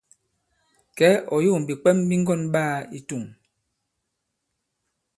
Kɛ̌, ɔ̀ yȏŋ bìkwɛm bi ŋgɔ̑n ɓaā i tȗŋ.